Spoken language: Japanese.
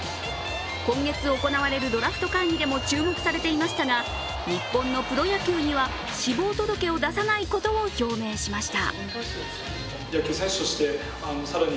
今月行われるドラフト会議でも注目されていましたが、日本のプロ野球には志望届を出さないことを表明しました。